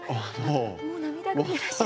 もう涙ぐんでらっしゃる。